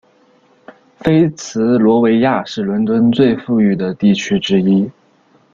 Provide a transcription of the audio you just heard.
菲茨罗维亚是伦敦最富裕的地区之一。